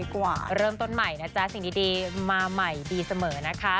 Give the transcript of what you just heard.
ก็จะดีเสมอนะครับ